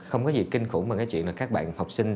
không có gì kinh khủng bằng cái chuyện là các bạn học sinh